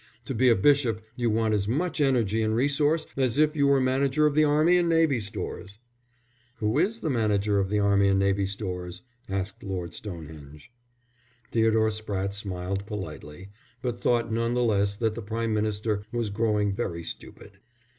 To be a bishop you want as much energy and resource as if you were manager of the Army and Navy Stores." "Who is the manager of the Army and Navy Stores?" asked Lord Stonehenge. Theodore Spratte smiled politely, but thought none the less that the Prime Minister was growing very stupid.